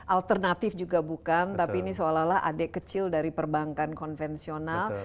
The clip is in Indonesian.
alternatif juga bukan tapi ini seolah olah adek kecil dari perbankan konvensional